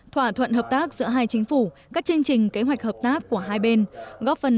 thỏa thuận hợp tác giữa hai chính phủ các chương trình kế hoạch hợp tác của hai bên